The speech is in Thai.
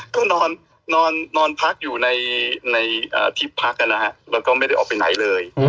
ก็นอนพักอยู่ในที่พักนะฮะแล้วก็ไม่ได้ออกไปไหนเลย